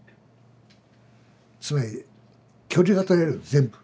つまり距離が取れる全部。